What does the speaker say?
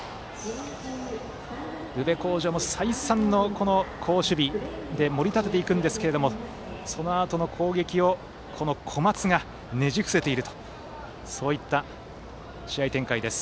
宇部鴻城も再三の好守備で盛り立てていくんですけれどもそのあとの攻撃を小松がねじ伏せているというそういった試合展開です。